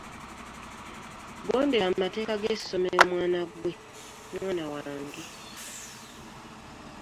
Gondeera amateeka ge ssomero mwana wange.